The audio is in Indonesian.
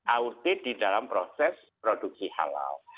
audit di dalam proses produksi halal